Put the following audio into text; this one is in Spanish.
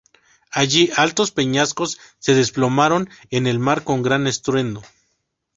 Allí altos peñascos se desplomaron en el mar con gran estruendo.